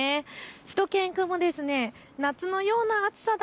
しゅと犬くんも夏のような暑さだ